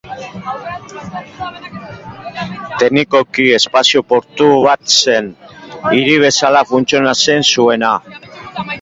Teknikoki espazio portu bat zen, hiri bezala funtzionatzen zuena.